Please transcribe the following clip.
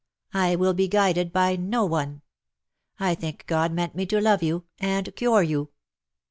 I will be guided by no one. I think God meant me to love you — and cure you."